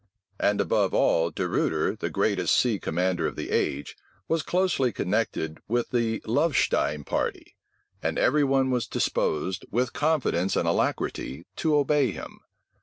And, above all, De Ruyter, the greatest sea commander of the age, was closely connected with the Lovestein party; and every one was disposed, with confidence and alacrity, to obey him.